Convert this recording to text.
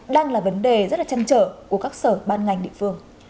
đang là vấn đề rất là chăn trở của các sở ban ngành địa phương